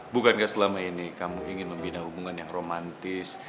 bukankah selama ini kamu ingin membina hubungan yang romantis